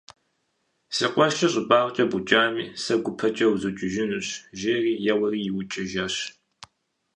Си къуэшыр щӀыбагъкӀэ букӀами сэ гупэкӀэ узукӀынущ, жери, еуэри иукӀыжащ.